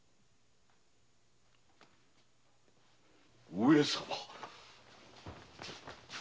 上様！